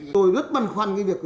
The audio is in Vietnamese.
tôi rất băn khoăn với việc